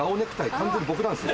完全に僕なんですよ。